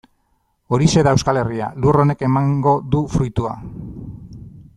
Horixe da Euskal Herria, lur honek emango du fruitua.